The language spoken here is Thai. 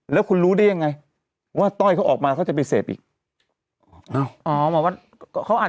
แล้วคุณรู้ได้ยังไงว่าต้อยเขาออกมาเขาจะไปเสพอีก